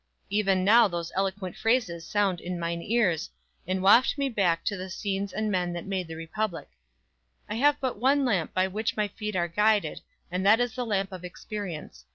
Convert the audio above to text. Even now those eloquent phrases sound in mine ears, and waft me back to the scenes and men that made the Republic: "I have but one lamp by which my feet are guided, and that is the lamp of experience.